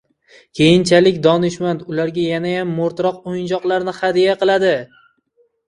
Keyinchalik donishmand ularga yanayam moʻrtroq oʻyinchoqlarni hadya qildi.